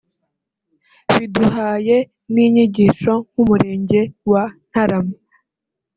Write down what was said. Biduhaye n’inyigisho nk’ Umurenge wa Ntarama